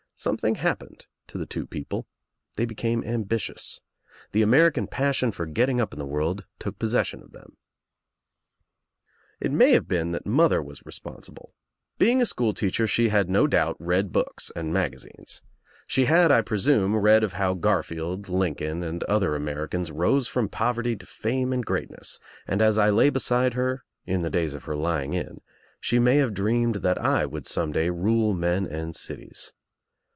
Something happened to the two people. Th?y became ambitious. The Ameri can passion for getting up in the world took possession of them. ature I was 1 THE EGG P ^H It may have been that mother was responsible. Be ^™^ing a school teacher she had no doubt read books and magazines. She had, I presume, read of how Garfield, Lincoln, and other Americans rose from poverty to fame and greatness and as I lay beside her — In the days of her lying in — she may have dreamed that I would some day rule men and cities.